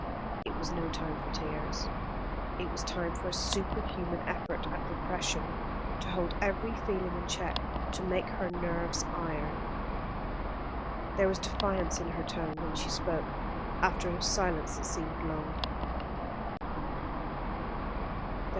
It was no time for tears. It was time for a superhuman effort at repression, to hold every feeling in check, to make her nerves iron. There was defiance in her tone when she spoke, after a silence that seemed long.